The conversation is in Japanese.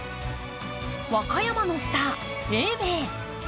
和歌山のスター・永明。